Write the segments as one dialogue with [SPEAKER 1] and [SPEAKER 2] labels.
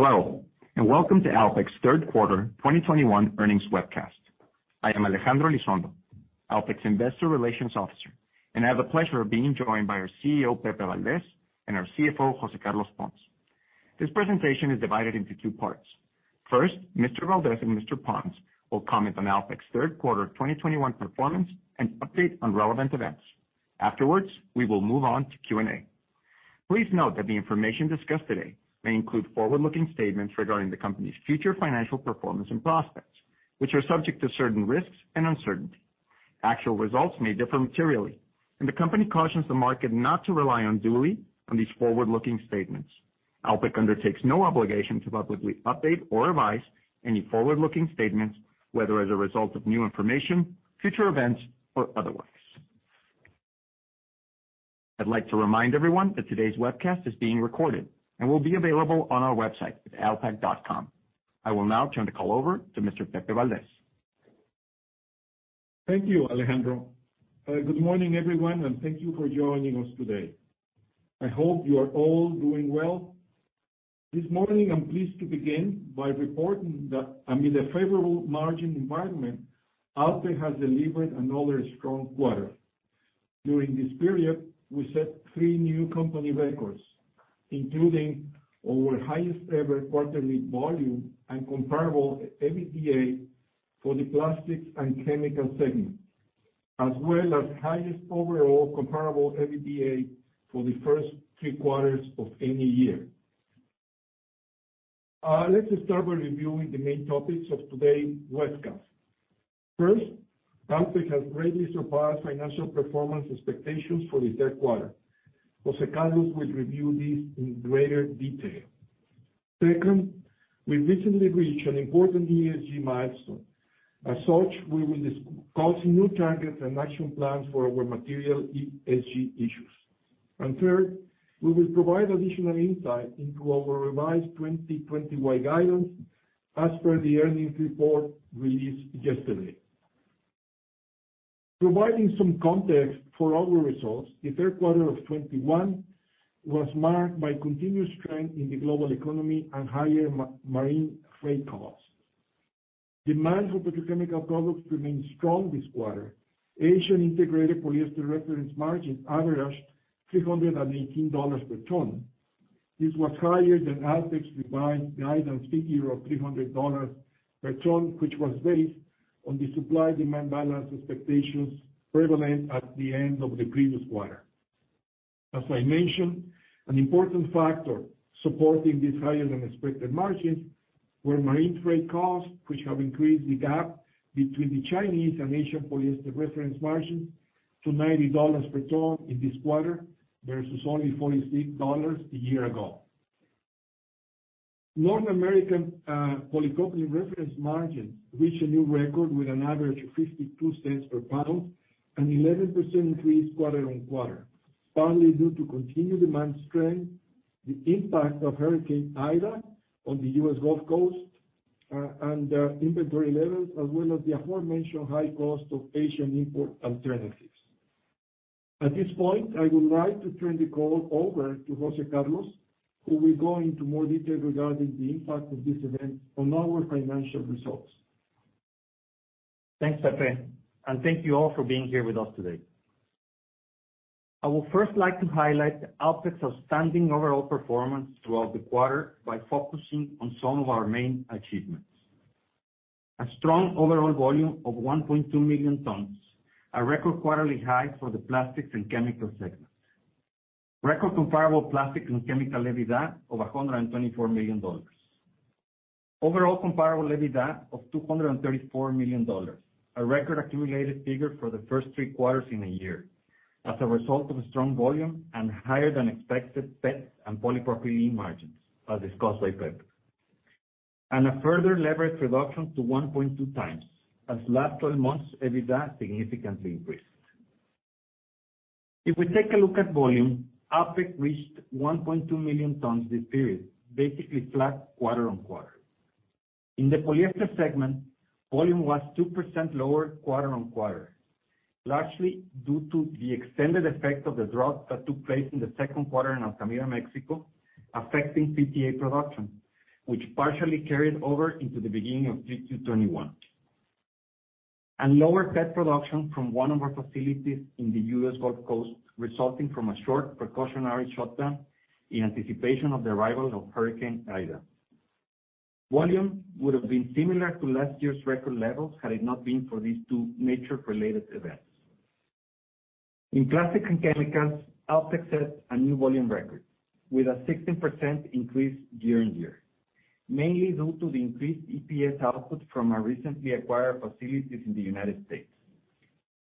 [SPEAKER 1] Hello, and welcome to Alpek's third quarter 2021 earnings webcast. I am Alejandro Elizondo, Alpek's Investor Relations Officer, and I have the pleasure of being joined by our CEO, Pepe Valdez, and our CFO, José Carlos Pons. This presentation is divided into two parts. First, Mr. Valdez and Mr. Pons will comment on Alpek's third quarter 2021 performance and update on relevant events. Afterwards, we will move on to Q&A. Please note that the information discussed today may include forward-looking statements regarding the company's future financial performance and prospects, which are subject to certain risks and uncertainty. Actual results may differ materially, and the company cautions the market not to rely unduly on these forward-looking statements. Alpek undertakes no obligation to publicly update or revise any forward-looking statements, whether as a result of new information, future events, or otherwise. I'd like to remind everyone that today's webcast is being recorded and will be available on our website at alpek.com. I will now turn the call over to Mr. Pepe Valdez.
[SPEAKER 2] Thank you, Alejandro. Good morning, everyone, and thank you for joining us today. I hope you are all doing well. This morning, I'm pleased to begin by reporting that amid a favorable margin environment, Alpek has delivered another strong quarter. During this period, we set three new company records, including our highest-ever quarterly volume and comparable EBITDA for the plastics & chemicals segment, as well as highest overall comparable EBITDA for the first three quarters of any year. Let's start by reviewing the main topics of today's webcast. First, Alpek has greatly surpassed financial performance expectations for the third quarter. José Carlos will review this in greater detail. Second, we recently reached an important ESG milestone. As such, we will discuss new targets and action plans for our material ESG issues. Third, we will provide additional insight into our revised 2021 guidance as per the earnings report released yesterday. Providing some context for our results, the third quarter of 2021 was marked by continued strength in the global economy and higher marine freight costs. Demand for petrochemical products remained strong this quarter. Asian integrated polyester reference margin averaged $318 per ton. This was higher than Alpek's revised guidance figure of $300 per ton, which was based on the supply-demand balance expectations prevalent at the end of the previous quarter. As I mentioned, an important factor supporting these higher-than-expected margins were marine freight costs, which have increased the gap between the Chinese and Asian polyester reference margin to $90 per ton in this quarter versus only $46 a year ago. North American polypropylene reference margin reached a new record with an average of $0.52 per pound, an 11% increase quarter-on-quarter, partly due to continued demand strength, the impact of Hurricane Ida on the U.S. Gulf Coast, and inventory levels, as well as the aforementioned high cost of Asian import alternatives. At this point, I would like to turn the call over to José Carlos, who will go into more detail regarding the impact of these events on our financial results.
[SPEAKER 3] Thanks, Pepe. Thank you all for being here with us today. I would first like to highlight Alpek's outstanding overall performance throughout the quarter by focusing on some of our main achievements. A strong overall volume of 1.2 million tons, a record quarterly high for the plastics & chemicals segment. Record comparable plastics & chemicals EBITDA of $124 million. Overall comparable EBITDA of $234 million, a record accumulated figure for the first three quarters in a year, as a result of strong volume and higher-than-expected PET and polypropylene margins, as discussed by Pepe. A further leverage reduction to 1.2x as last 12 months' EBITDA significantly increased. If we take a look at volume, Alpek reached 1.2 million tons this period, basically flat quarter-on-quarter. In the polyester segment, volume was 2% lower quarter-on-quarter, largely due to the extended effect of the drought that took place in the second quarter in Altamira, Mexico, affecting PTA production, which partially carried over into the beginning of Q2 2021. Lower PET production from one of our facilities in the U.S. Gulf Coast, resulting from a short precautionary shutdown in anticipation of the arrival of Hurricane Ida. Volume would have been similar to last year's record levels had it not been for these two nature-related events. In plastics & chemicals, Alpek set a new volume record with a 16% increase year-on-year, mainly due to the increased EPS output from our recently acquired facilities in the United States.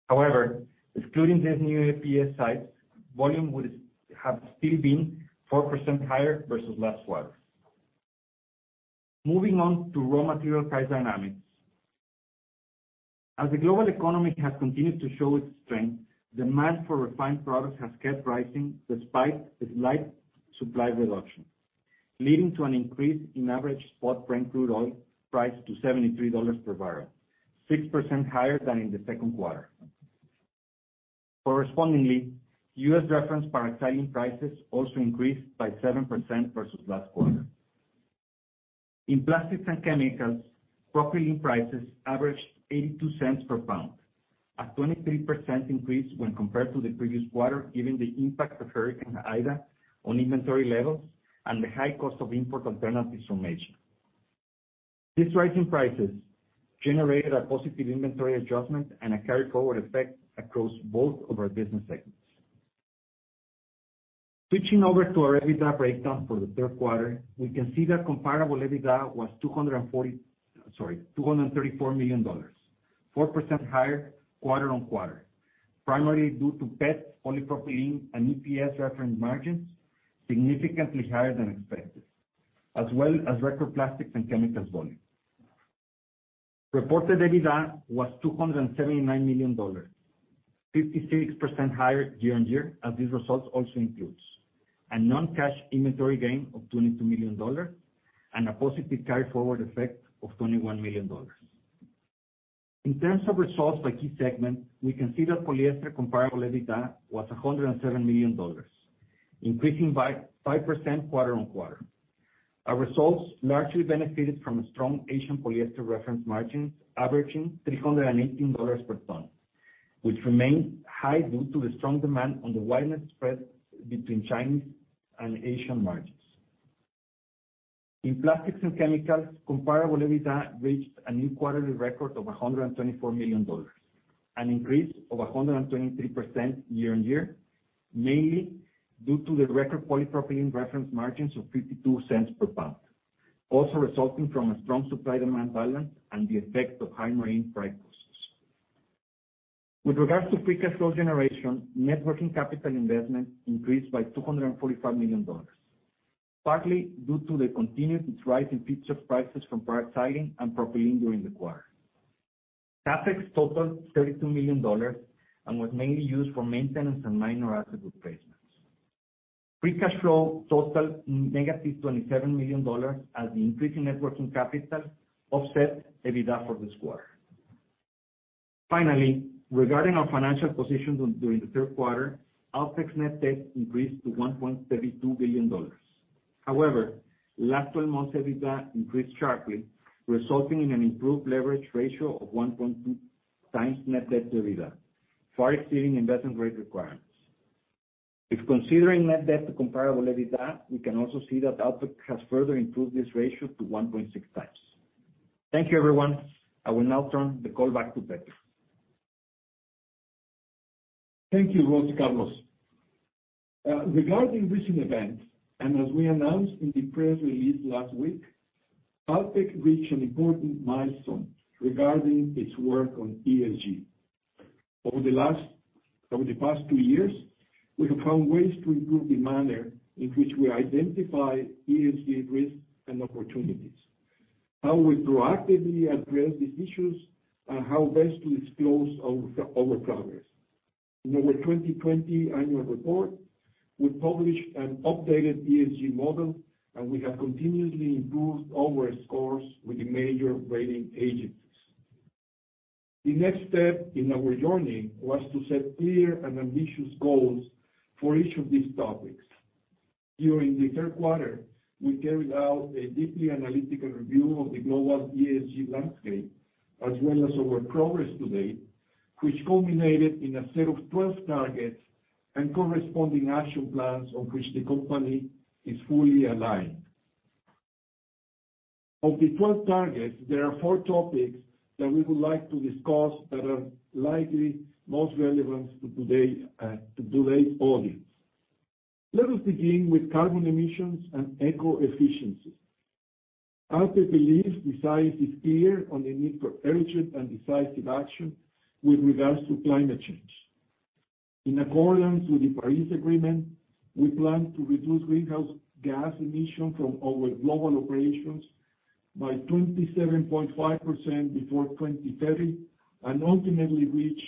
[SPEAKER 3] However, excluding this new EPS site, volume would have still been 4% higher versus last quarter. Moving on to raw material price dynamics. As the global economy has continued to show its strength, demand for refined products has kept rising despite a slight supply reduction, leading to an increase in average spot Brent crude oil price to $73 per barrel, 6% higher than in the second quarter. Correspondingly, U.S. reference paraxylene prices also increased by 7% versus last quarter. In Plastics & Chemicals, propylene prices averaged $0.82 per pound, a 23% increase when compared to the previous quarter, given the impact of Hurricane Ida on inventory levels and the high cost of import alternatives from Asia. These rising prices generated a positive inventory adjustment and a carry-forward effect across both of our business segments. Switching over to our EBITDA breakdown for the third quarter, we can see that comparable EBITDA was $234 million, 4% higher quarter-on-quarter, primarily due to PET, polypropylene, and EPS reference margins significantly higher than expected, as well as record Plastics & Chemicals volume. Reported EBITDA was $279 million, 56% higher year-on-year, as these results also includes a non-cash inventory gain of $22 million and a positive carry-forward effect of $21 million. In terms of results by key segment, we can see that polyester comparable EBITDA was $107 million, increasing by 5% quarter-on-quarter. Our results largely benefited from a strong Asian polyester reference margin averaging $318 per ton, which remained high due to the strong demand on the widespread between Chinese and Asian margins. In plastics & chemicals, comparable EBITDA reached a new quarterly record of $124 million, an increase of 123% year-on-year, mainly due to the record polypropylene reference margins of $0.22 per pound, also resulting from a strong supply-demand balance and the effect of high marine freight costs. With regards to free cash flow generation, net working capital investment increased by $245 million, partly due to the continued rise in futures prices from paraxylene and propylene during the quarter. CapEx totaled $32 million and was mainly used for maintenance and minor asset replacements. Free cash flow totaled -$27 million as the increase in net working capital offset EBITDA for this quarter. Finally, regarding our financial position during the third quarter, Alpek's net debt increased to $1.32 billion. However, last 12 months EBITDA increased sharply, resulting in an improved leverage ratio of 1.2x net debt to EBITDA, far exceeding investment grade requirements. If considering net debt to comparable EBITDA, we can also see that output has further improved this ratio to 1.6x. Thank you, everyone. I will now turn the call back to Pepe.
[SPEAKER 2] Thank you, José Carlos. Regarding recent events, as we announced in the press release last week, Alpek reached an important milestone regarding its work on ESG. Over the past two years, we have found ways to improve the manner in which we identify ESG risks and opportunities, how we proactively address these issues, and how best to disclose our progress. In our 2020 Annual Report, we published an updated ESG model, and we have continuously improved our scores with the major rating agencies. The next step in our journey was to set clear and ambitious goals for each of these topics. During the third quarter, we carried out a deeply analytical review of the global ESG landscape, as well as our progress to date, which culminated in a set of 12 targets and corresponding action plans on which the company is fully aligned. Of the 12 targets, there are four topics that we would like to discuss that are likely most relevant to today's audience. Let us begin with carbon emissions and eco efficiency. Alpek believes the science is clear on the need for urgent and decisive action with regards to climate change. In accordance with the Paris Agreement, we plan to reduce greenhouse gas emissions from our global operations by 27.5% before 2030, and ultimately reach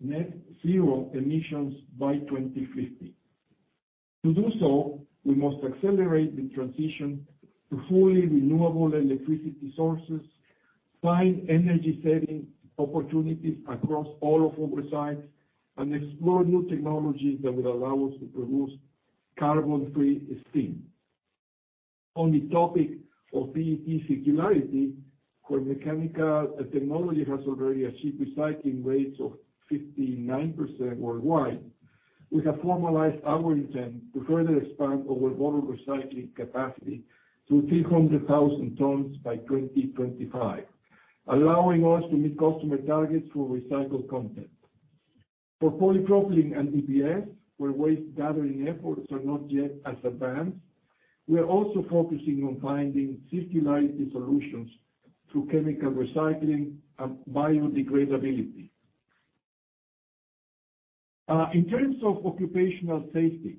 [SPEAKER 2] net zero emissions by 2050. To do so, we must accelerate the transition to fully renewable electricity sources, find energy-saving opportunities across all of our sites, and explore new technologies that will allow us to produce emission-free steam. On the topic of PET circularity, where mechanical technology has already achieved recycling rates of 59% worldwide, we have formalized our intent to further expand our bottle recycling capacity to 300,000 tons by 2025, allowing us to meet customer targets for recycled content. For polypropylene and EPS, where waste gathering efforts are not yet as advanced, we are also focusing on finding circularity solutions through chemical recycling and biodegradability. In terms of occupational safety,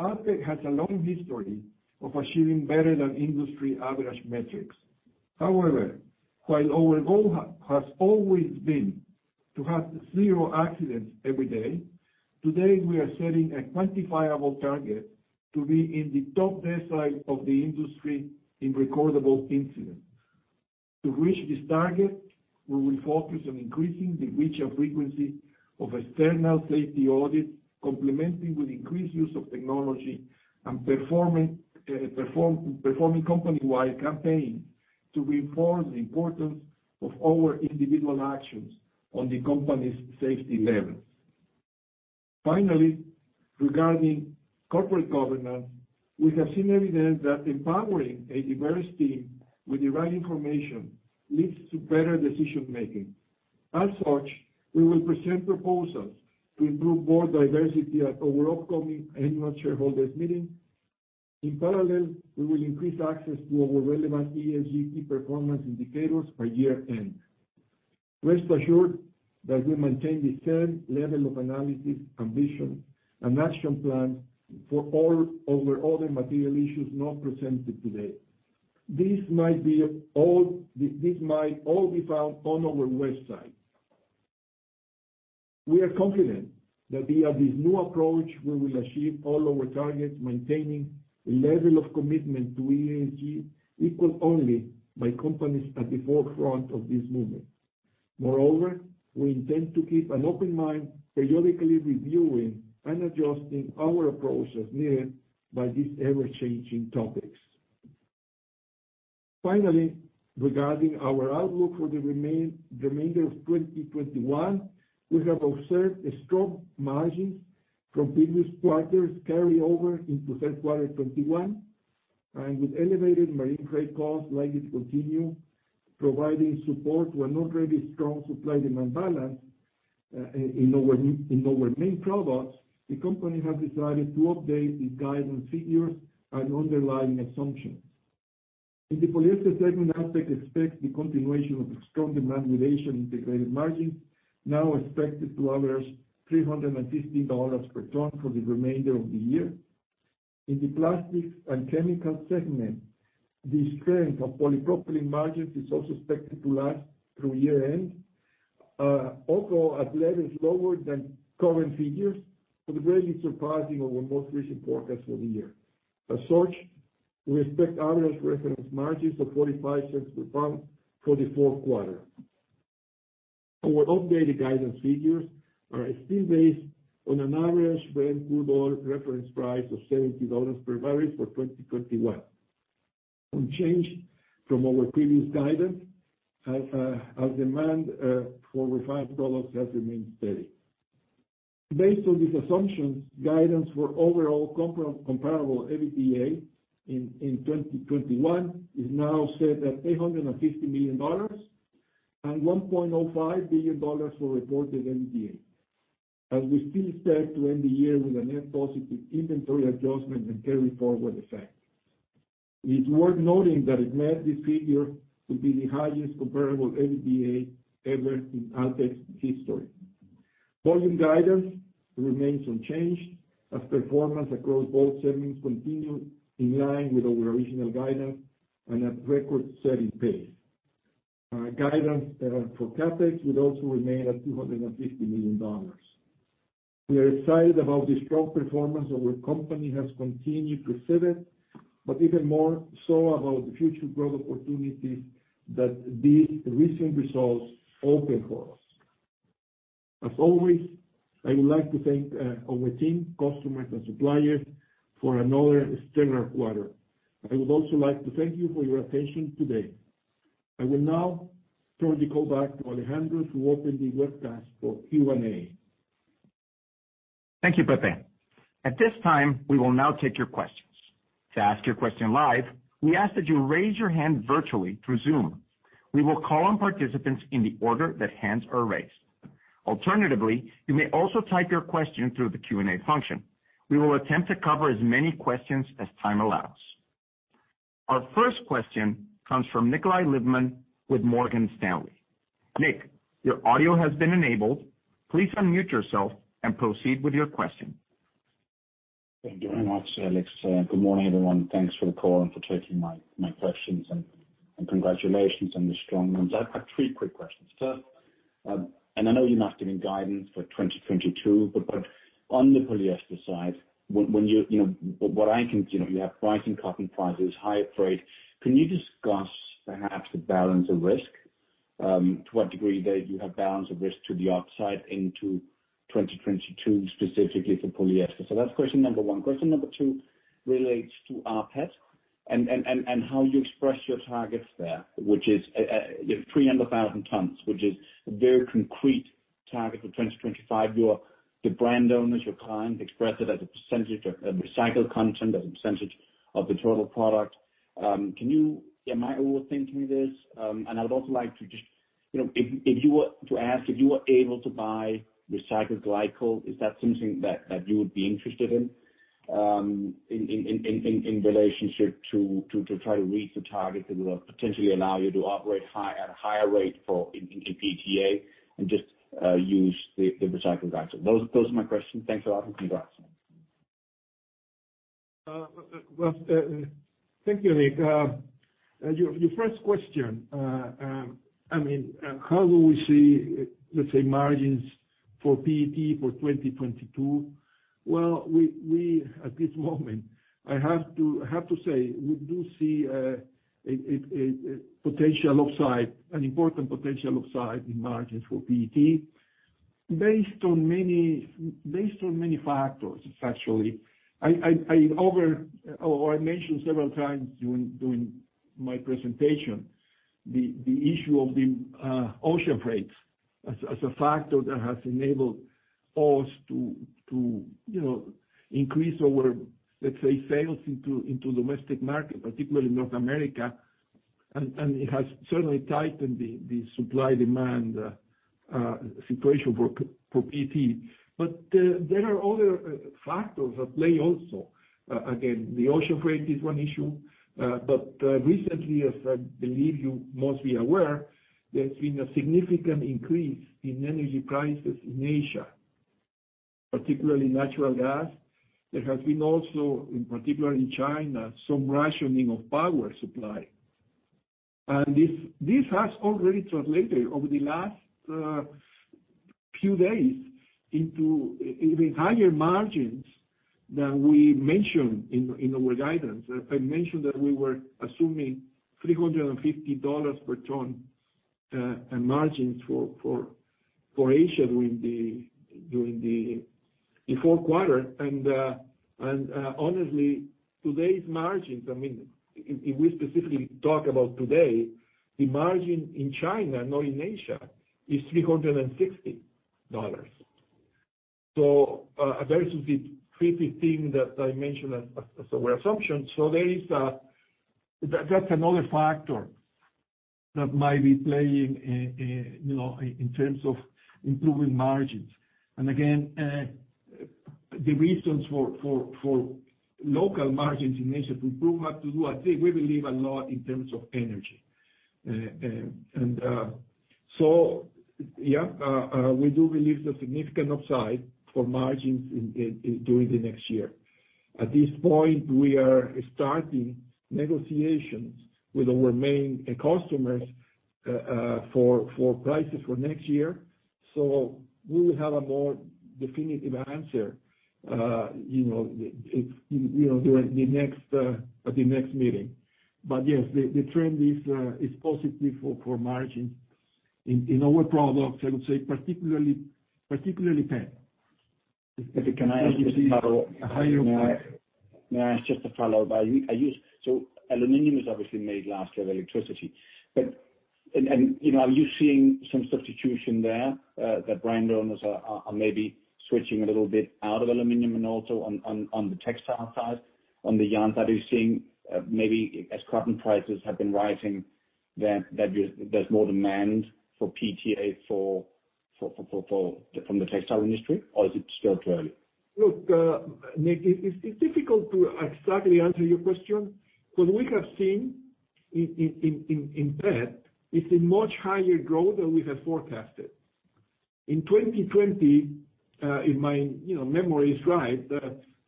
[SPEAKER 2] Alpek has a long history of achieving better-than-industry average metrics. However, while our goal has always been to have zero accidents every day, today we are setting a quantifiable target to be in the top decile of the industry in recordable incidents. To reach this target, we will focus on increasing the reach and frequency of external safety audits, complementing with increased use of technology, and performing company-wide campaign to reinforce the importance of our individual actions on the company's safety levels. Finally, regarding corporate governance, we have seen evidence that empowering a diverse team with the right information leads to better decision-making. As such, we will present proposals to improve board diversity at our upcoming Annual Shareholders Meeting. In parallel, we will increase access to our relevant ESG performance indicators by year-end. Rest assured that we maintain the same level of analysis, ambition, and action plan for all our other material issues not presented today. This might all be found on our website. We are confident that via this new approach, we will achieve all our targets, maintaining a level of commitment to ESG equaled only by companies at the forefront of this movement. Moreover, we intend to keep an open mind, periodically reviewing and adjusting our approach as needed by these ever-changing topics. Finally, regarding our outlook for the remainder of 2021, we have observed strong margins from previous quarters carry over into second quarter 2021. With elevated marine freight costs likely to continue providing support to an already strong supply demand balance in our main products, Alpek has decided to update the guidance figures and underlying assumptions. In the polyester segment, Alpek expects the continuation of strong demand with Asian integrated margin, now expected to average $350 per ton for the remainder of the year. In the plastics & chemicals segment, the strength of polypropylene margins is also expected to last through year-end. Also at levels lower than current figures, but greatly surpassing our most recent forecast for the year. As such, we expect average reference margins of $0.45 per pound for the fourth quarter. Our updated guidance figures are still based on an average Brent crude oil reference price of $70 per barrel for 2021. Unchanged from our previous guidance, as demand for refined products has remained steady. Based on these assumptions, guidance for overall comparable EBITDA in 2021 is now set at $850 million and $1.05 billion for reported EBITDA, as we still set to end the year with a net positive inventory adjustment and carry forward effect. It is worth noting that it made this figure to be the highest comparable EBITDA ever in Alpek's history. Volume guidance remains unchanged as performance across all segments continue in line with our original guidance and at record-setting pace. Our guidance for CapEx would also remain at $250 million. We are excited about the strong performance our company has continued to set it, but even more so about the future growth opportunities that these recent results open for us. As always, I would like to thank our team, customers, and suppliers for another stellar quarter. I would also like to thank you for your attention today. I will now turn the call back to Alejandro to open the webcast for Q&A.
[SPEAKER 1] Thank you, Pepe. At this time, we will now take your questions. To ask your question live, we ask that you raise your hand virtually through Zoom. We will call on participants in the order that hands are raised. Alternatively, you may also type your question through the Q&A function. We will attempt to cover as many questions as time allows. Our first question comes from Nikolaj Lippmann with Morgan Stanley. Nick, your audio has been enabled. Please unmute yourself and proceed with your question.
[SPEAKER 4] Thank you very much, Alex. Good morning, everyone. Thanks for the call and for taking my questions, and congratulations on the strong runs. I've got three quick questions. I know you're not giving guidance for 2022, but on the polyester side, you have rising cotton prices, higher freight. Can you discuss perhaps the balance of risk, to what degree that you have balance of risk to the upside into 2022, specifically for polyester? That's question number one. Question number two relates to rPET and how you express your targets there, which is 300,000 tons, which is a very concrete target for 2025. Your brand owners, your clients express it as a percentage of recycled content, as a percentage of the total product. Am I overthinking this? I would also like to ask, if you were able to buy recycled glycol, is that something that you would be interested in relationship to try to reach the target that will potentially allow you to operate at a higher rate in PTA and just use the recycled glycol? Those are my questions. Thanks a lot, and congrats.
[SPEAKER 2] Well, thank you, Nick. Your first question. How do we see, let's say, margins for PET for 2022? Well, at this moment, I have to say, we do see an important potential upside in margins for PET based on many factors, actually. I mentioned several times during my presentation the issue of the ocean freight as a factor that has enabled us to increase our, let's say, sales into domestic market, particularly North America. It has certainly tightened the supply-demand situation for PET. There are other factors at play also. Again, the ocean freight is one issue. Recently, as I believe you must be aware, there's been a significant increase in energy prices in Asia, particularly natural gas. There has been also, in particular in China, some rationing of power supply. This has already translated over the last few days into even higher margins than we mentioned in our guidance. I mentioned that we were assuming $350 per ton margins for Asia during the fourth quarter. Honestly, today's margins, if we specifically talk about today, the margin in China, not in Asia, is $360. A very specific thing that I mentioned as our assumption. That's another factor that might be playing in terms of improving margins. Again, the reasons for local margins in Asia to improve have to do, I think, we believe, a lot in terms of energy. Yeah, we do believe there's significant upside for margins during the next year. At this point, we are starting negotiations with our main customers for prices for next year. We will have a more definitive answer at the next meeting. Yes, the trend is positive for margins in our products, I would say particularly PET.
[SPEAKER 4] Can I ask you to follow-
[SPEAKER 2] A higher-
[SPEAKER 4] May I ask just a follow-up? Aluminum is obviously made largely of electricity. Are you seeing some substitution there, that brand owners are maybe switching a little bit out of aluminum, and also on the textile side, on the yarn side, are you seeing maybe as carbon prices have been rising, there's more demand for PTA from the textile industry, or is it still too early?
[SPEAKER 2] Look, Nick, it's difficult to exactly answer your question. What we have seen in PET is a much higher growth than we have forecasted. In 2020, if my memory is right,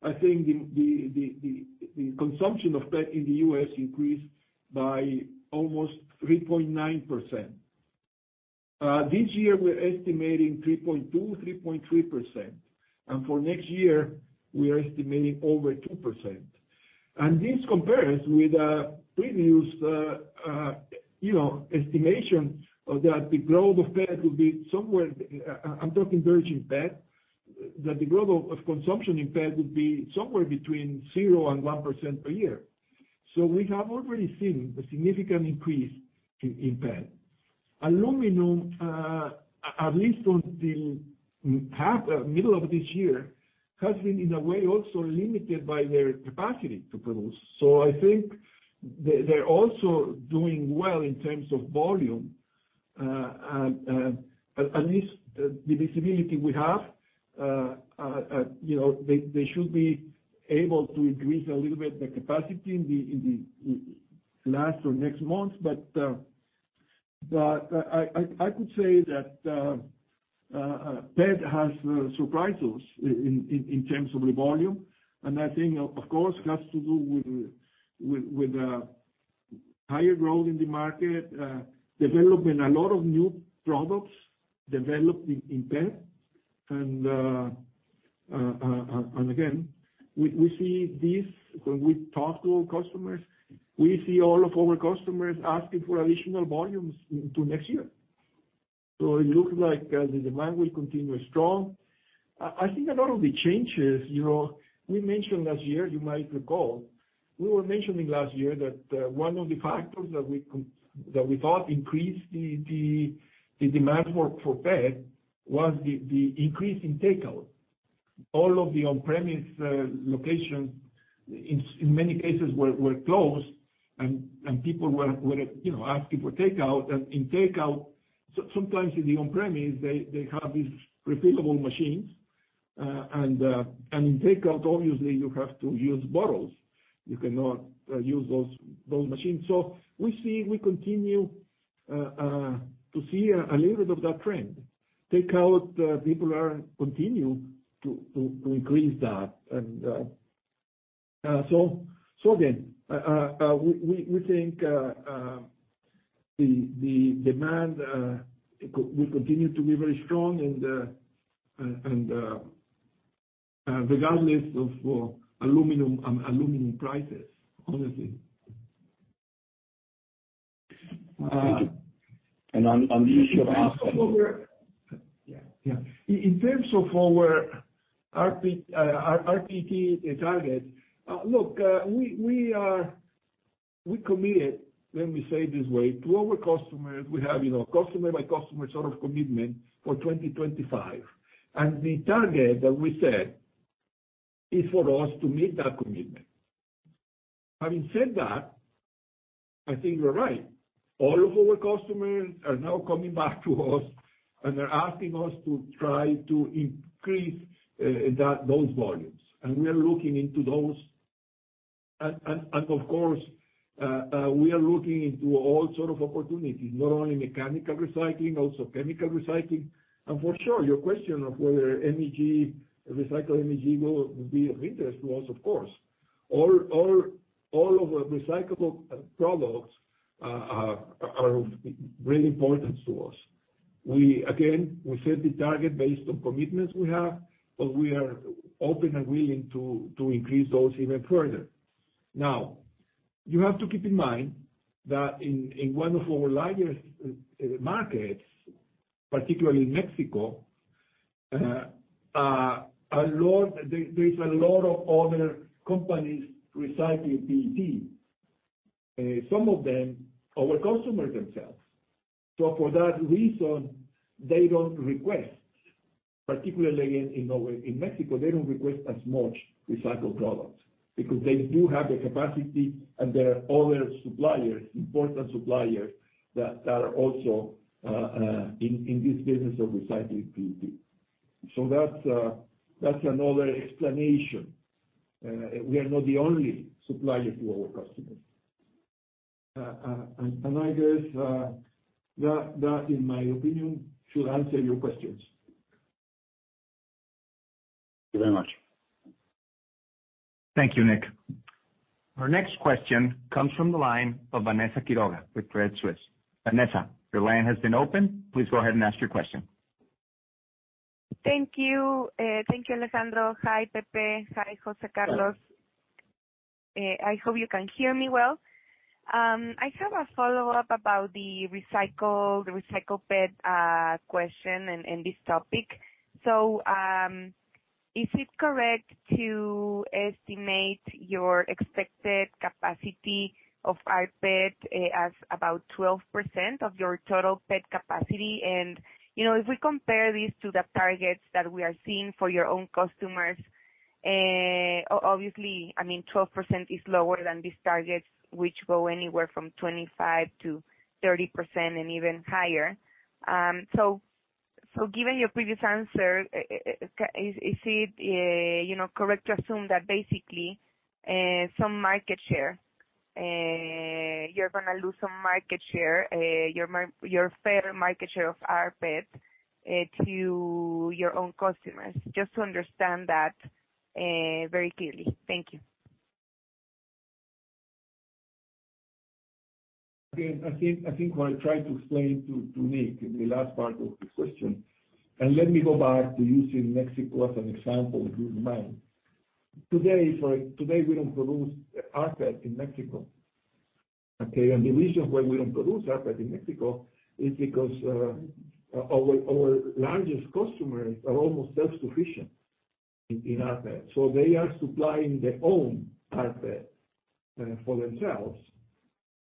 [SPEAKER 2] I think the consumption of PET in the U.S. increased by almost 3.9%. This year, we're estimating 3.2%, 3.3%. For next year, we are estimating over 2%. This compares with previous estimation that the growth of PET would be somewhere, I'm talking virgin PET, that the growth of consumption in PET would be somewhere between 0% and 1% per year. We have already seen a significant increase in PET. Aluminum, at least until middle of this year, has been, in a way, also limited by their capacity to produce. I think they're also doing well in terms of volume. At least the visibility we have, they should be able to increase a little bit the capacity in the last or next months. I could say that PET has surprised us in terms of the volume. I think, of course, it has to do with higher growth in the market, development, a lot of new products developed in PET. Again, we see this when we talk to our customers. We see all of our customers asking for additional volumes into next year. It looks like the demand will continue strong. I think a lot of the changes, we mentioned last year, you might recall, we were mentioning last year that one of the factors that we thought increased the demand for PET was the increase in takeout. All of the on-premise locations, in many cases, were closed, and people were asking for takeout. In takeout, sometimes in the on-premise, they have these refillable machines. In takeout, obviously, you have to use bottles. You cannot use those machines. We continue to see a little bit of that trend. Takeout, people continue to increase that. Again, we think the demand will continue to be very strong, and regardless of aluminum prices, honestly.
[SPEAKER 4] And on the issue of asking-
[SPEAKER 2] In terms of our rPET target. Look, we committed, let me say it this way, to our customers. We have customer by customer sort of commitment for 2025. The target that we set is for us to meet that commitment. Having said that, I think you're right. All of our customers are now coming back to us, and they're asking us to try to increase those volumes. We are looking into those, and, of course, we are looking into all sorts of opportunities, not only mechanical recycling, also chemical recycling. For sure, your question of whether recycled MEG will be of interest to us, of course. All of our recyclable products are of real importance to us. Again, we set the target based on commitments we have, but we are open and willing to increase those even further. You have to keep in mind that in one of our largest markets, particularly Mexico, there is a lot of other companies recycling PET. Some of them our customers themselves. For that reason, they don't request, particularly in Mexico, they don't request as much recycled products because they do have the capacity, and there are other suppliers, important suppliers, that are also in this business of recycling PET. That's another explanation. We are not the only supplier to our customers. I guess that, in my opinion, should answer your questions.
[SPEAKER 4] Thank you very much.
[SPEAKER 1] Thank you, Nick. Our next question comes from the line of Vanessa Quiroga with Credit Suisse. Vanessa, your line has been opened. Please go ahead and ask your question.
[SPEAKER 5] Thank you, Alejandro. Hi, Pepe. Hi, José Carlos. I hope you can hear me well. I have a follow-up about the recycled PET question and this topic. Is it correct to estimate your expected capacity of rPET as about 12% of your total PET capacity? If we compare this to the targets that we are seeing for your own customers, obviously, 12% is lower than these targets, which go anywhere from 25%-30% and even higher. Given your previous answer, is it correct to assume that basically you're going to lose some market share, your fair market share of rPET to your own customers? Just to understand that very clearly. Thank you.
[SPEAKER 2] I think what I tried to explain to Nick in the last part of the question, let me go back to using Mexico as an example, if you remind. Okay. The reason why we don't produce rPET in Mexico is because our largest customers are almost self-sufficient in rPET. They are supplying their own rPET for themselves.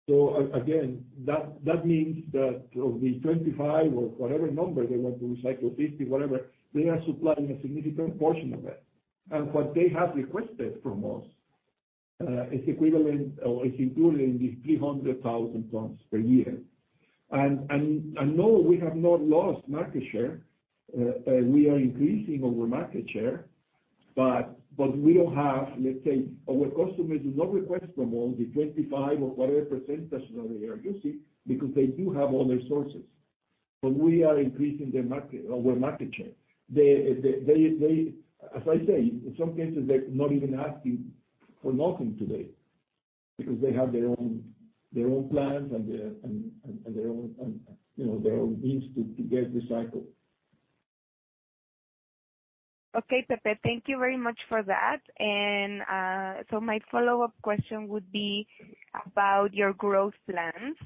[SPEAKER 2] Again, that means that of the 25% or whatever number they want to recycle, 50%, whatever, they are supplying a significant portion of that. What they have requested from us is equivalent, or is included in these 300,000 tons per year. No, we have not lost market share. We are increasing our market share, but we don't have, let's say our customers do not request from all the 25% or whatever percentage that they are using, because they do have other sources. We are increasing our market share. As I say, in some cases, they're not even asking for nothing today, because they have their own plants and their own means to get recycled.
[SPEAKER 5] Okay, Pepe, thank you very much for that. My follow-up question would be about your growth plans.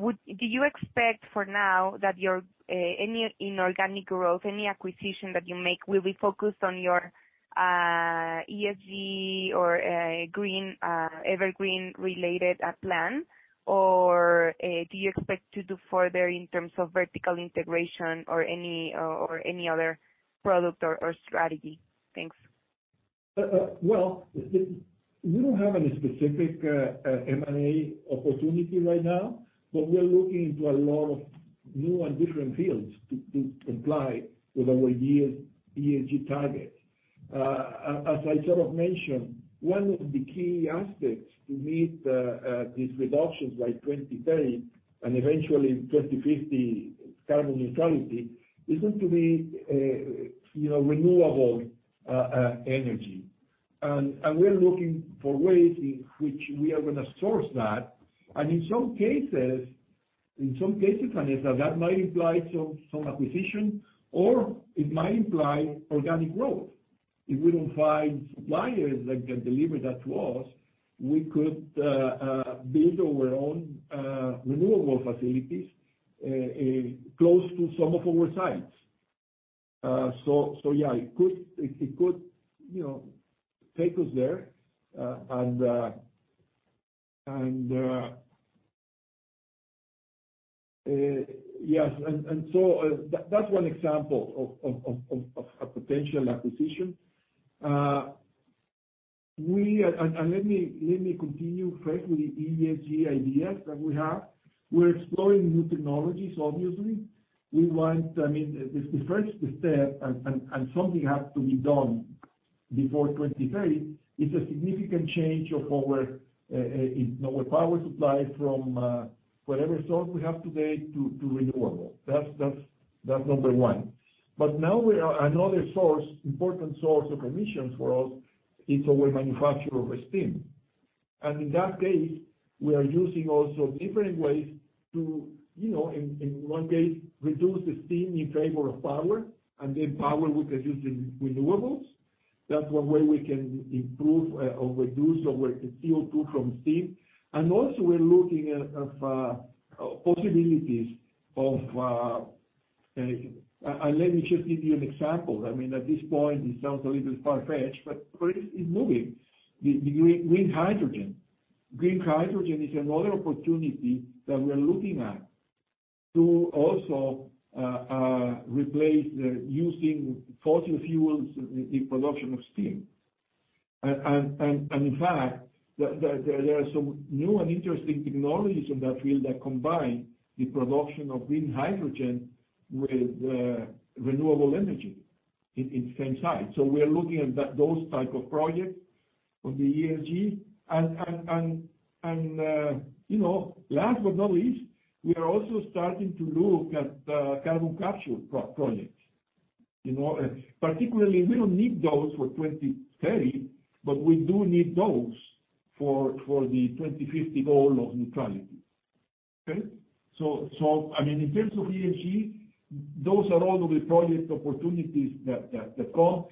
[SPEAKER 5] Do you expect for now that any inorganic growth, any acquisition that you make will be focused on your ESG or evergreen related plan? Or do you expect to do further in terms of vertical integration or any other product or strategy? Thanks.
[SPEAKER 2] We don't have any specific M&A opportunity right now, but we are looking into a lot of new and different fields to comply with our ESG targets. As I sort of mentioned, one of the key aspects to meet these reductions by 2030, and eventually 2050 carbon neutrality, is going to be renewable energy. We are looking for ways in which we are going to source that. In some cases, Vanessa, that might imply some acquisition or it might imply organic growth. If we don't find suppliers that can deliver that to us, we could build our own renewable facilities close to some of our sites. Yeah, it could take us there. Yes, that's one example of a potential acquisition. Let me continue first with the ESG ideas that we have. We're exploring new technologies, obviously. The first step, and something has to be done before 2030, is a significant change of our power supply from whatever source we have today to renewable. That's number one. Now, another important source of emissions for us is our manufacture of steam. In that case, we are using also different ways to, in one case, reduce the steam in favor of power, then power we produce in renewables. That's one way we can improve or reduce our CO2 from steam. Let me just give you an example. At this point, it sounds a little far-fetched, but it's moving. The green hydrogen. Green hydrogen is another opportunity that we are looking at to also replace using fossil fuels in production of steam. In fact, there are some new and interesting technologies in that field that combine the production of green hydrogen with renewable energy in the same site. We are looking at those type of projects on the ESG. Last but not least, we are also starting to look at carbon capture projects. Particularly, we don't need those for 2030, but we do need those for the 2050 goal of neutrality. Okay. In terms of ESG, those are all the project opportunities that come.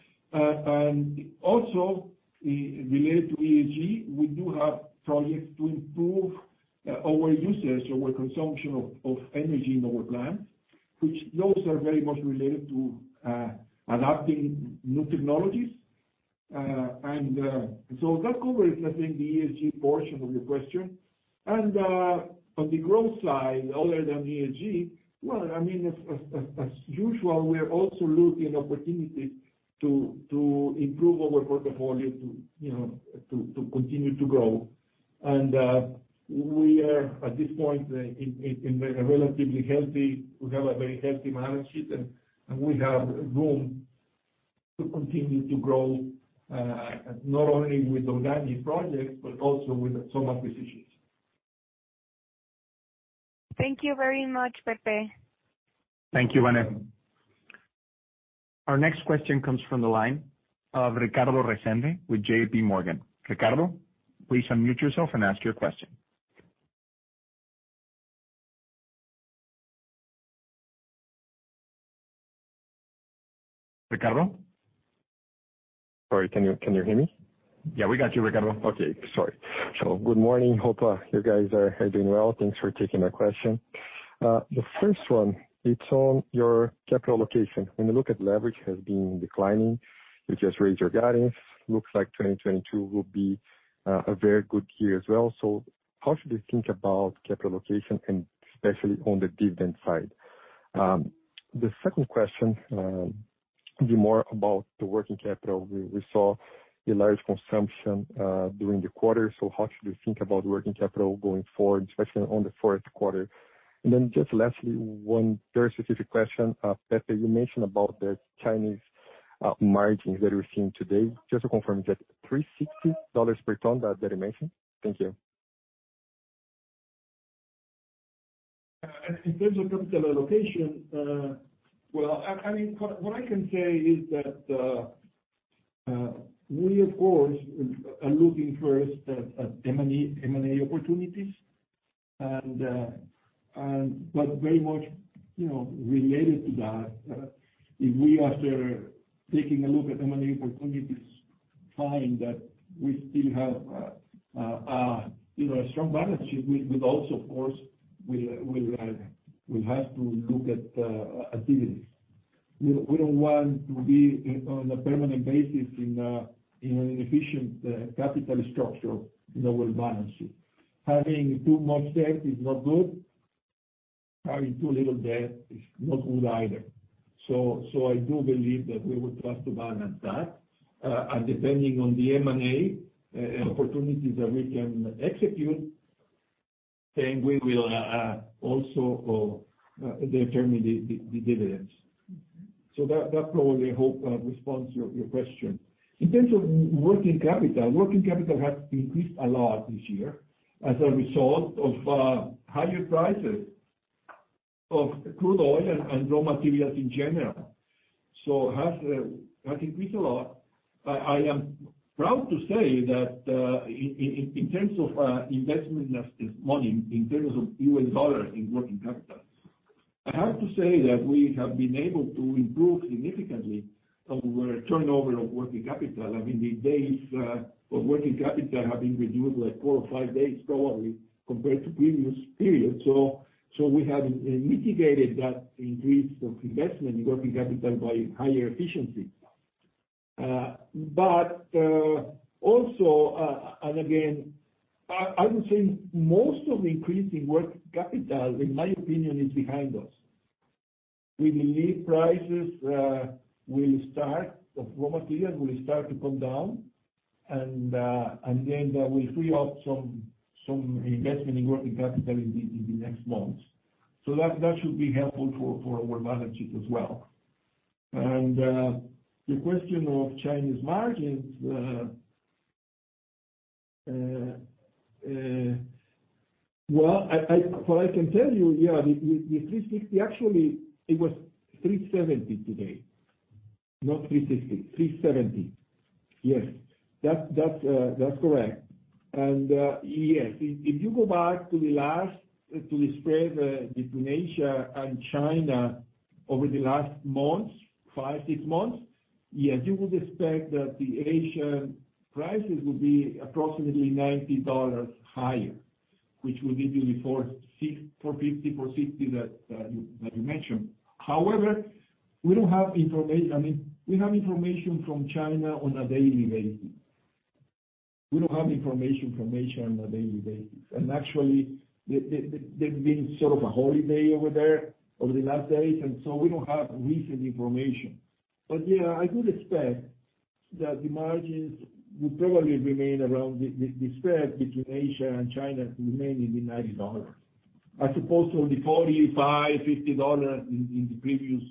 [SPEAKER 2] Also, related to ESG, we do have projects to improve our usage, our consumption of energy in our plants, which those are very much related to adapting new technologies. That covers, I think, the ESG portion of your question. On the growth side, other than ESG, well, as usual, we are also looking at opportunities to improve our portfolio to continue to grow. We have a very healthy balance sheet, and we have room to continue to grow, not only with organic projects, but also with some acquisitions.
[SPEAKER 5] Thank you very much, Pepe.
[SPEAKER 1] Thank you, Vanessa. Our next question comes from the line of Ricardo Resende with JPMorgan. Ricardo, please unmute yourself and ask your question. Ricardo?
[SPEAKER 6] Sorry, can you hear me?
[SPEAKER 1] Yeah, we got you, Ricardo.
[SPEAKER 6] Okay. Sorry. Good morning. Hope you guys are doing well. Thanks for taking my question. The first one, it's on your capital allocation. When you look at leverage, has been declining. You just raised your guidance. Looks like 2022 will be a very good year as well. How should we think about capital allocation and especially on the dividend side? The second question will be more about the working capital. We saw a large consumption during the quarter, so how should we think about working capital going forward, especially on the fourth quarter? Just lastly, one very specific question. Pepe, you mentioned about the Chinese margins that we're seeing today. Just to confirm, is that $360 per ton that you mentioned? Thank you.
[SPEAKER 2] In terms of capital allocation, well, what I can say is that we, of course, are looking first at M&A opportunities. Very much related to that, if we, after taking a look at M&A opportunities, find that we still have a strong balance sheet, we'd also, of course, have to look at dividends. We don't want to be on a permanent basis in an inefficient capital structure in our balance sheet. Having too much debt is not good. Having too little debt is not good either. I do believe that we will try to balance that. Depending on the M&A opportunities that we can execute, then we will also determine the dividends. That probably, I hope, responds your question. In terms of working capital, working capital has increased a lot this year as a result of higher prices of crude oil and raw materials in general. Has increased a lot. I am proud to say that in terms of investment, that is money, in terms of U.S. dollars in working capital. I have to say that we have been able to improve significantly our turnover of working capital. The days of working capital have been reduced like four or five days probably compared to previous periods. We have mitigated that increase of investment in working capital by higher efficiency. Also, and again, I would say most of the increase in working capital, in my opinion, is behind us. We believe prices of raw materials will start to come down, and again, that will free up some investment in working capital in the next months. That should be helpful for our margins as well. The question of Chinese margins, well, what I can tell you, yeah, it was $370 today, not $360. $370. Yes. That's correct. Yes, if you go back to the spread between Asia and China over the last months, five, six months, yes, you would expect that the Asian prices would be approximately $90 higher, which would give you the $450, $460 that you mentioned. However, we don't have information. We have information from China on a daily basis. We don't have information from Asia on a daily basis. Actually, there's been sort of a holiday over there over the last days, so we don't have recent information. Yeah, I do expect that the margins will probably remain around the spread between Asia and China to remain in the $90 as opposed to the $45, $50 in previous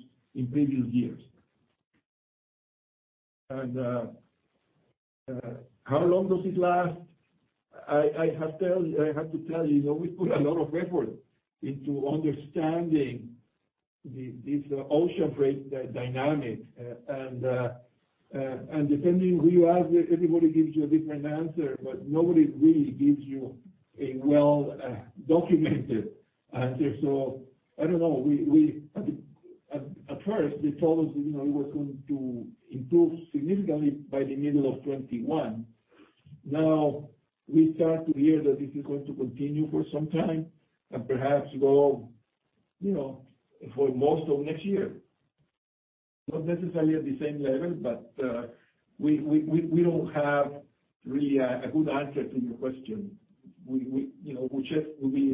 [SPEAKER 2] years. How long does it last? I have to tell you, we put a lot of effort into understanding this ocean freight dynamic. Depending who you ask, everybody gives you a different answer, but nobody really gives you a well-documented answer. I don't know. At first, they told us it was going to improve significantly by the middle of 2021. Now we start to hear that this is going to continue for some time and perhaps go for most of next year. Not necessarily at the same level, but we don't have really a good answer to your question. We're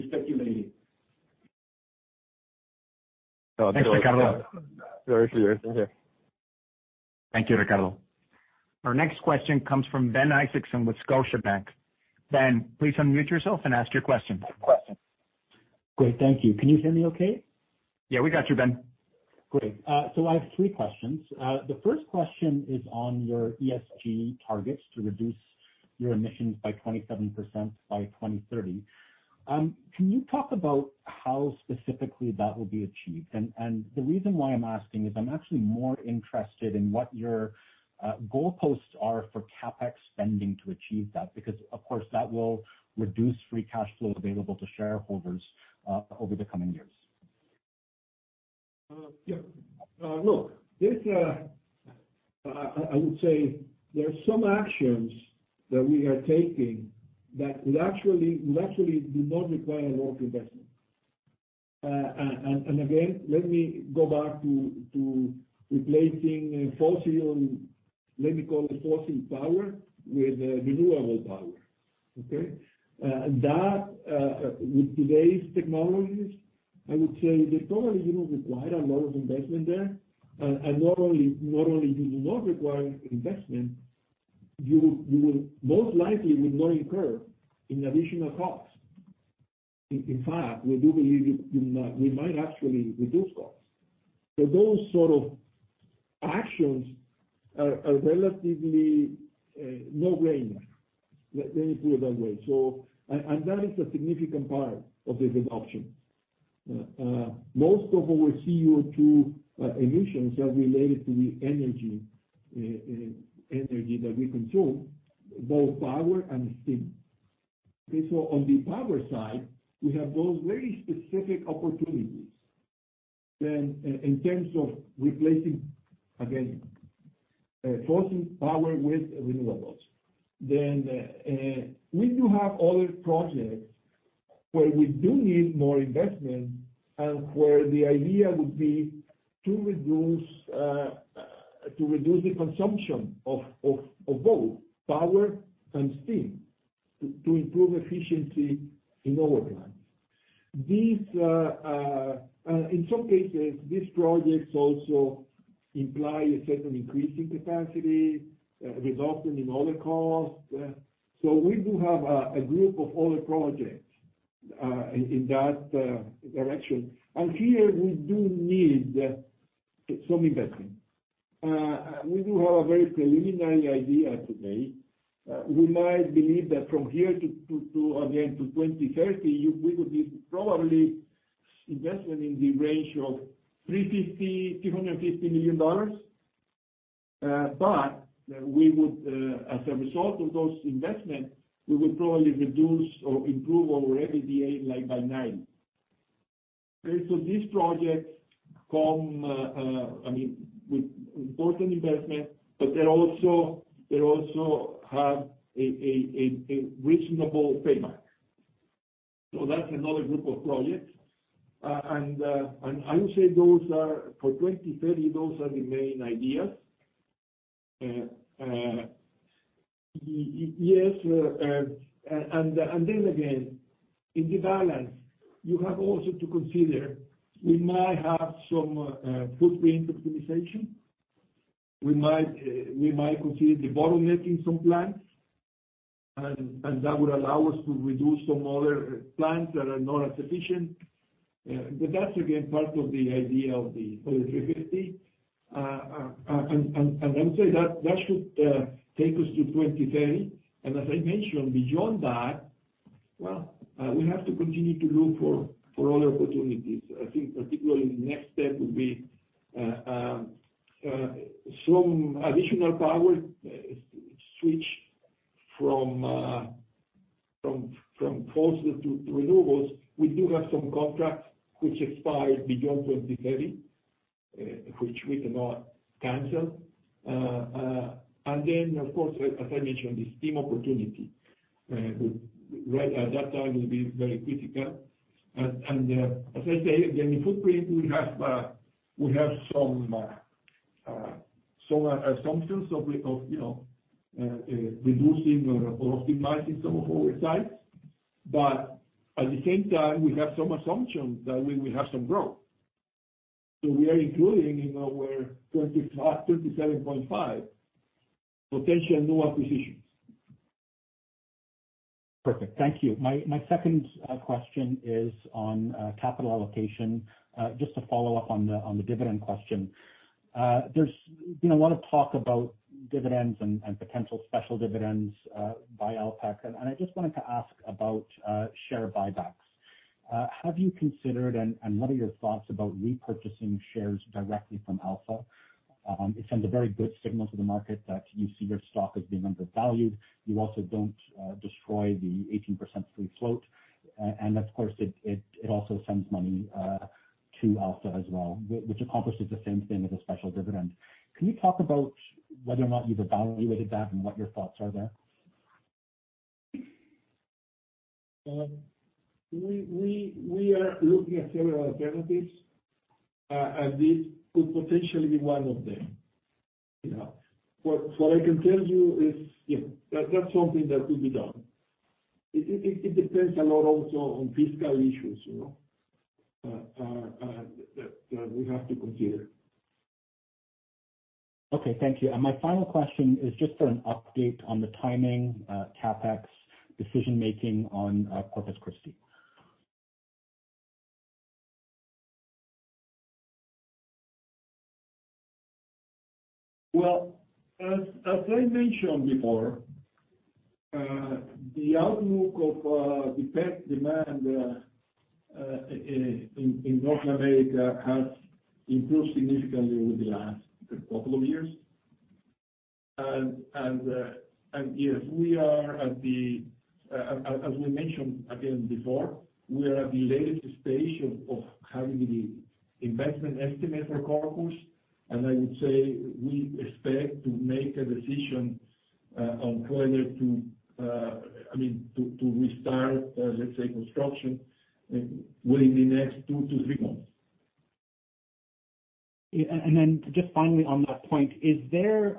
[SPEAKER 2] speculating.
[SPEAKER 1] Thanks, Ricardo.
[SPEAKER 6] Very clear. Thank you.
[SPEAKER 1] Thank you, Ricardo. Our next question comes from Ben Isaacson with Scotiabank. Ben, please unmute yourself and ask your question.
[SPEAKER 7] Great. Thank you. Can you hear me okay?
[SPEAKER 1] Yeah, we got you, Ben.
[SPEAKER 7] Great. I have three questions. The first question is on your ESG targets to reduce your emissions by 27% by 2030. Can you talk about how specifically that will be achieved? The reason why I'm asking is I'm actually more interested in what your goalposts are for CapEx spending to achieve that, because of course, that will reduce free cash flow available to shareholders over the coming years.
[SPEAKER 2] Yeah. Look, I would say there are some actions that we are taking that would actually do not require a lot of investment. Again, let me go back to replacing fossil, let me call it fossil power, with renewable power, okay. That with today's technologies, I would say that probably you don't require a lot of investment there. Not only do you not require investment, you will most likely would not incur an additional cost. In fact, we do believe we might actually reduce costs. Those sort of actions are relatively no-brainer. Let me put it that way. That is a significant part of the good option. Most of our CO2 emissions are related to the energy that we consume, both power and steam. Okay. On the power side, we have those very specific opportunities. In terms of replacing, again fossil power with renewables. We do have other projects where we do need more investment and where the idea would be to reduce the consumption of both power and steam to improve efficiency in our plants. In some cases, these projects also imply a certain increase in capacity, resulting in other costs. We do have a group of other projects in that direction. Here we do need some investment. We do have a very preliminary idea today. We might believe that from here to, again, to 2030, we would be probably investing in the range of $350 million-$250 million. As a result of those investments, we would probably reduce or improve our EBITDA by $9 million. These projects come with important investment, but they also have a reasonable payback. That's another group of projects. I would say for 2030, those are the main ideas. Then again, in the balance, you have also to consider, we might have some footprint optimization. We might consider debottlenecking some plants, and that would allow us to reduce some other plants that are not as efficient. That's again, part of the idea of the 2030. I would say that should take us to 2030. As I mentioned, beyond that, well, we have to continue to look for other opportunities. I think particularly the next step would be some additional power switch from fossil to renewables. We do have some contracts which expire beyond 2030, which we cannot cancel. Then of course, as I mentioned, the steam opportunity. The steam opportunity, at that time, will be very critical. As I say, again, the footprint, we have some assumptions of reducing or optimizing some of our sites. At the same time, we have some assumptions that we will have some growth. We are including in our 27.5% potential new acquisitions.
[SPEAKER 7] Perfect. Thank you. My second question is on capital allocation. Just to follow up on the dividend question. There's been a lot of talk about dividends and potential special dividends by Alpek, and I just wanted to ask about share buybacks. Have you considered, and what are your thoughts about repurchasing shares directly from Alfa? It sends a very good signal to the market that you see your stock as being undervalued. You also don't destroy the 18% free float. Of course, it also sends money to Alfa as well, which accomplishes the same thing as a special dividend. Can you talk about whether or not you've evaluated that and what your thoughts are there?
[SPEAKER 2] We are looking at several alternatives, and this could potentially be one of them. What I can tell you is that's something that could be done. It depends a lot also on fiscal issues that we have to consider.
[SPEAKER 7] Okay, thank you. My final question is just for an update on the timing, CapEx decision-making on Corpus Christi.
[SPEAKER 2] Well, as I mentioned before, the outlook of the PET demand in North America has improved significantly over the last couple of years. As we mentioned again before, we are at the latest stage of having the investment estimate for Corpus. I would say we expect to make a decision on whether to restart, let's say, construction within the next 2-3 months.
[SPEAKER 7] Just finally on that point, is there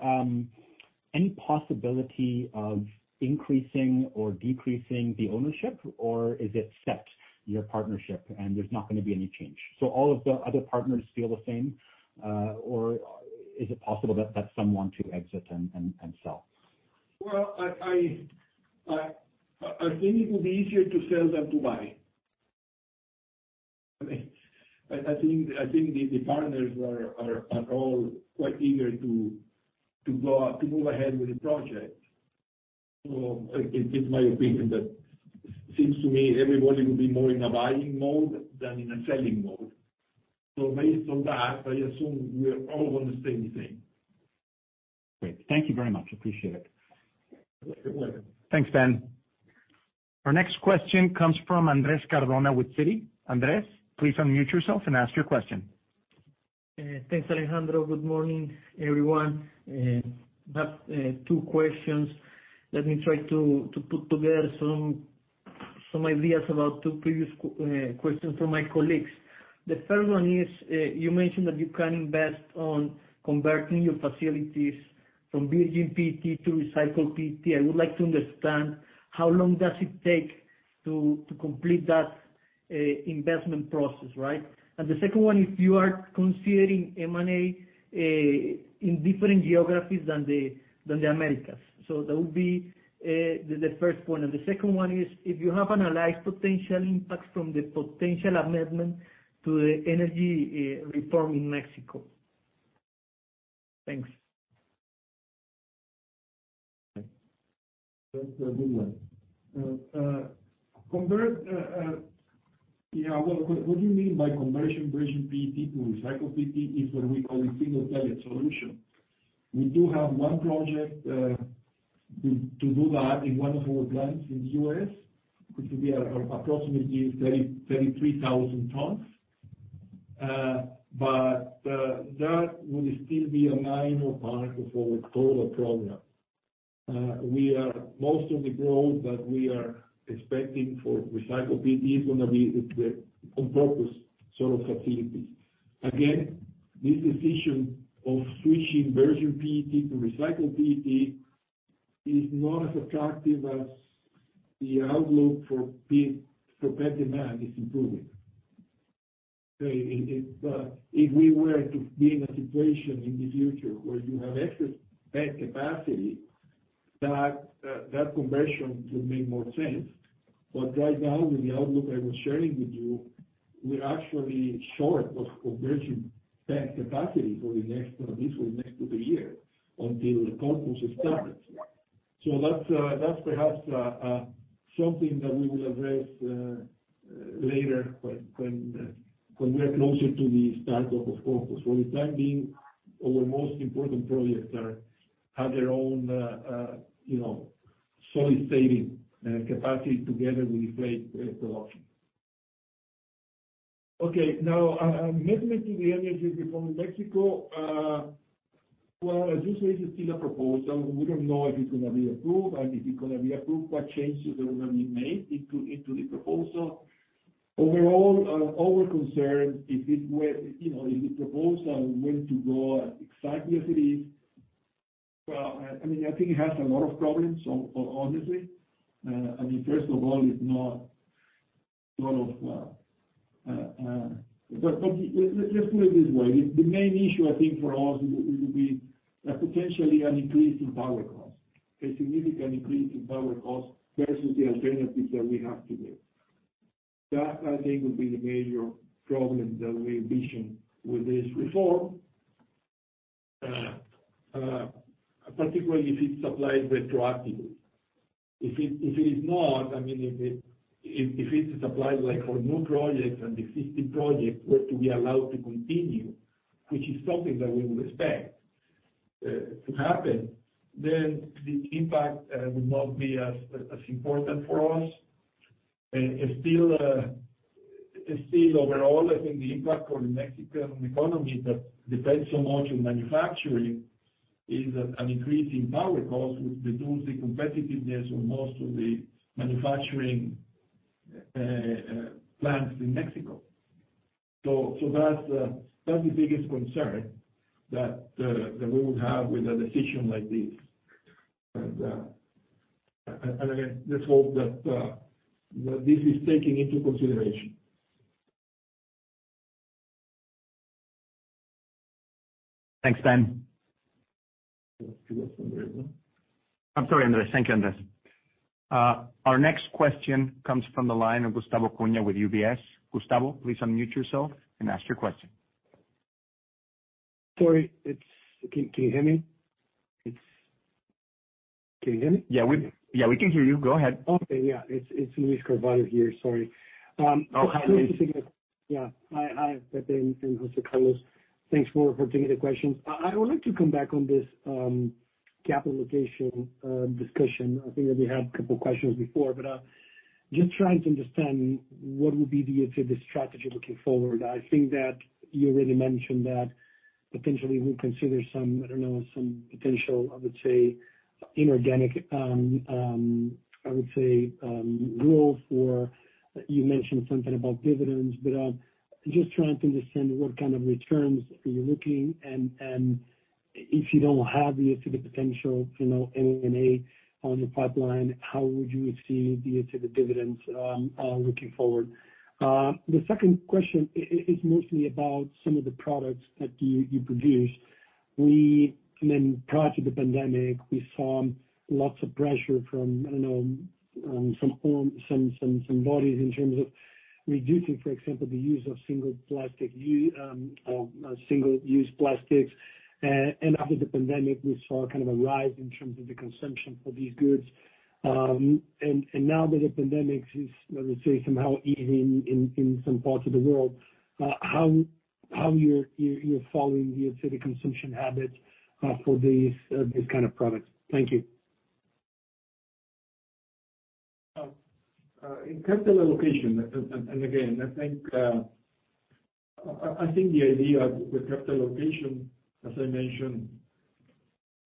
[SPEAKER 7] any possibility of increasing or decreasing the ownership, or is it set, your partnership, and there's not going to be any change? All of the other partners feel the same, or is it possible that some want to exit and sell?
[SPEAKER 2] Well, I think it would be easier to sell than to buy. I think the partners are all quite eager to move ahead with the project. It's my opinion that seems to me everybody would be more in a buying mode than in a selling mode. Based on that, I assume we are all going to stay the same.
[SPEAKER 7] Great. Thank you very much. Appreciate it.
[SPEAKER 2] You're welcome.
[SPEAKER 1] Thanks, Ben. Our next question comes from Andrés Cardona with Citi. Andres, please unmute yourself and ask your question.
[SPEAKER 8] Thanks, Alejandro. Good morning, everyone. I have two questions. Let me try to put together some ideas about two previous questions from my colleagues. The first one is, you mentioned that you can invest on converting your facilities from virgin PET to recycled PET. I would like to understand how long does it take to complete that investment process, right? The second one, if you are considering M&A in different geographies than the Americas. That would be the first one. The second one is, if you have analyzed potential impacts from the potential amendment to the energy reform in Mexico. Thanks.
[SPEAKER 2] That's a good one. What do you mean by conversion virgin PET to recycled PET is what we call a Single Pellet solution. We do have one project to do that in one of our plants in the U.S., which will be approximately 33,000 tons. That would still be a minor part of our total program. Most of the growth that we are expecting for recycled PET is going to be on purpose sort of facilities. Again, this decision of switching virgin PET to recycled PET is not as attractive as the outlook for PET demand is improving. If we were to be in a situation in the future where you have excess PET capacity, that conversion would make more sense. Right now, with the outlook I was sharing with you, we're actually short of conversion PET capacity for at least the next two years until the Corpus is started. That's perhaps something that we will address later when we are closer to the start of the Corpus. For the time being, our most important projects have their own solid stating capacity together with the flake production. Now amendment in the energy reform in Mexico. As you say, it's still a proposal. We don't know if it's going to be approved, and if it's going to be approved, what changes are going to be made into the proposal. Overall, our concern, if the proposal were to go exactly as it is, I think it has a lot of problems, honestly. Let's put it this way. The main issue I think for us would be potentially an increase in power cost, a significant increase in power cost versus the alternatives that we have today. That I think would be the major problem that we envision with this reform, particularly if it's applied retroactively. If it is not, if it is applied like for new projects and existing projects were to be allowed to continue, which is something that we would expect to happen, then the impact would not be as important for us. Overall, I think the impact on the Mexican economy that depends so much on manufacturing is that an increase in power cost would reduce the competitiveness of most of the manufacturing plants in Mexico. That's the biggest concern that we would have with a decision like this. Again, let's hope that this is taken into consideration.
[SPEAKER 1] Thanks, Andrés.
[SPEAKER 2] Yes, Andrés.
[SPEAKER 1] I'm sorry, Andrés. Thank you, Andres. Our next question comes from the line of Gustavo Cunha with UBS. Gustavo, please unmute yourself and ask your question.
[SPEAKER 9] Sorry. Can you hear me?
[SPEAKER 1] Yeah, we can hear you. Go ahead.
[SPEAKER 9] Okay. Yeah. It's Luiz Carvalho here. Sorry.
[SPEAKER 1] Oh, hi, Luiz.
[SPEAKER 9] Hi, Pepe, and José Carlos. Thanks for taking the questions. I would like to come back on this capital allocation discussion. I think that we had two questions before, just trying to understand what would be the strategy looking forward. I think that you already mentioned that potentially we consider some, I don't know, some potential, I would say, inorganic rules, you mentioned something about dividends. Just trying to understand what kind of returns are you looking, if you don't have the specific potential M&A on the pipeline, how would you see the dividends looking forward? The second question is mostly about some of the products that you produce. Prior to the pandemic, we saw lots of pressure from, I don't know, some bodies in terms of reducing, for example, the use of single-use plastics. After the pandemic, we saw kind of a rise in terms of the consumption for these goods. Now that the pandemic is, let me say, somehow easing in some parts of the world, how you're following the specific consumption habits for these kind of products? Thank you.
[SPEAKER 2] In capital allocation, and again, I think the idea with capital allocation, as I mentioned,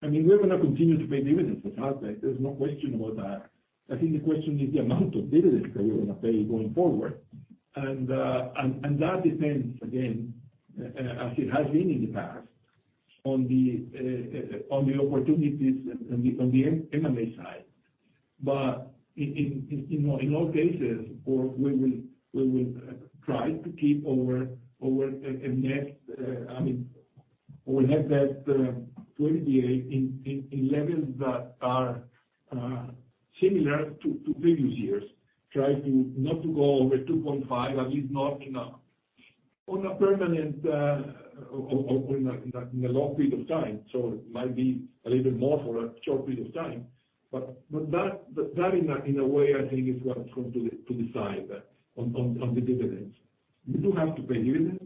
[SPEAKER 2] we're going to continue to pay dividends, there's no question about that. I think the question is the amount of dividends that we're going to pay going forward. That depends, again, as it has been in the past, on the opportunities on the M&A side. In all cases, we will try to keep our net debt to EBITDA in levels that are similar to previous years. Try not to go over 2.5x, at least not on a permanent, or in a long period of time. It might be a little bit more for a short period of time. That in a way, I think is what's going to decide on the dividends. We do have to pay dividends.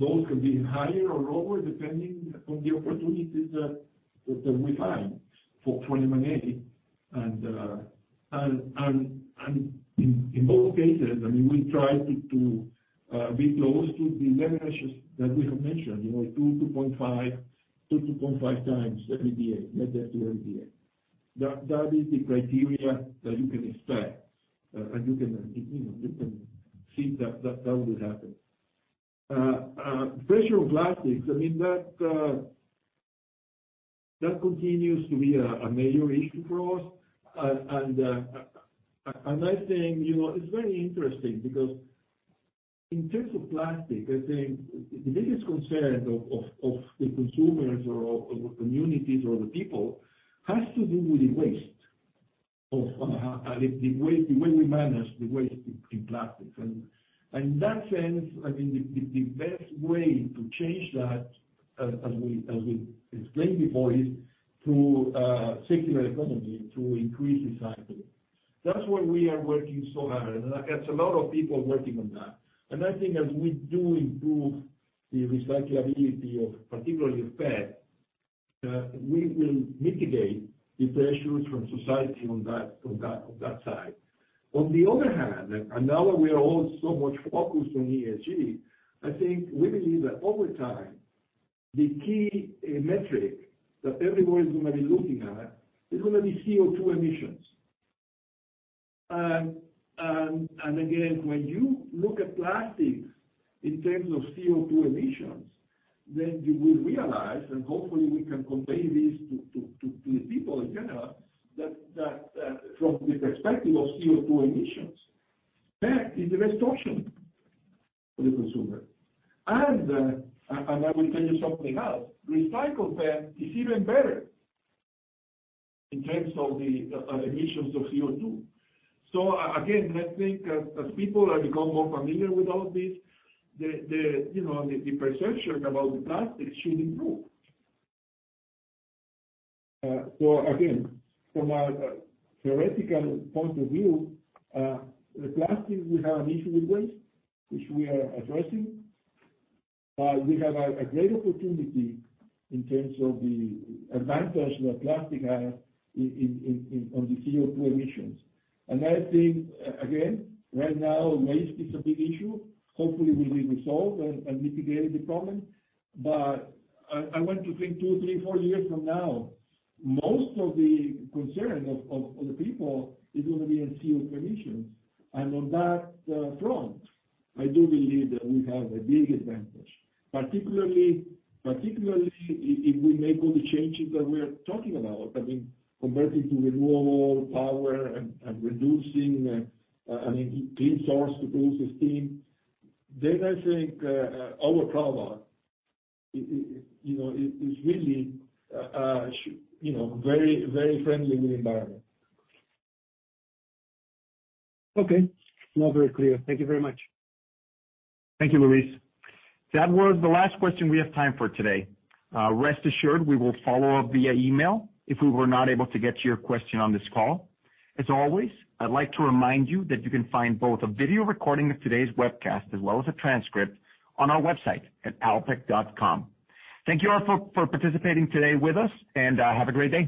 [SPEAKER 2] Those can be higher or lower, depending on the opportunities that we find for M&A. In both cases, we try to be close to the leverage ratios that we have mentioned, 2x-2.5x EBITDA, net debt to EBITDA. That is the criteria that you can expect. You can see that will happen. Pressure of plastics, that continues to be a major issue for us. I think it's very interesting because in terms of plastic, I think the biggest concern of the consumers or of the communities or the people, has to do with the waste. The way we manage the waste in plastics. In that sense, the best way to change that, as we explained before, is through circular economy, to increase recycling. That's why we are working so hard, and that's a lot of people working on that. I think as we do improve the recyclability of particularly PET, we will mitigate the pressures from society on that side. On the other hand, now that we are all so much focused on ESG, I think we believe that over time, the key metric that everybody is going to be looking at is going to be CO2 emissions. Again, when you look at plastics in terms of CO2 emissions, then you will realize, and hopefully we can convey this to the people in general, that from the perspective of CO2 emissions, PET is the best option for the consumer. I will tell you something else, recycled PET is even better in terms of the emissions of CO2. Again, I think as people become more familiar with all this, the perception about the plastics should improve. Again, from a theoretical point of view, the plastics, we have an issue with waste, which we are addressing. We have a great opportunity in terms of the advantage that plastic has on the CO2 emissions. I think, again, right now waste is a big issue. Hopefully, we will resolve and mitigate the problem. I want to think two, three, four years from now, most of the concern of the people is going to be in CO2 emissions. On that front, I do believe that we have a big advantage. Particularly if we make all the changes that we are talking about, I mean, converting to renewable power and reducing clean source to produce the steam. I think our product is really very friendly with the environment.
[SPEAKER 9] Okay. It's now very clear. Thank you very much.
[SPEAKER 1] Thank you, Luiz. That was the last question we have time for today. Rest assured, we will follow up via email if we were not able to get to your question on this call. As always, I'd like to remind you that you can find both a video recording of today's webcast as well as a transcript on our website at alpek.com. Thank you all for participating today with us, and have a great day.